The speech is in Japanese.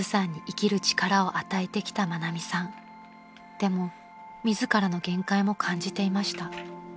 ［でも自らの限界も感じていました］